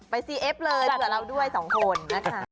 ซีเอฟเลยเผื่อเราด้วยสองคนนะคะ